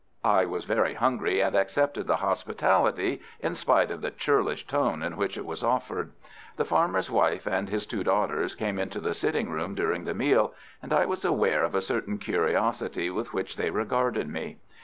I was very hungry, and accepted the hospitality in spite of the churlish tone in which it was offered. The farmer's wife and his two daughters came into the sitting room during the meal, and I was aware of a certain curiosity with which they regarded me.